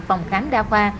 phòng khám đa khoa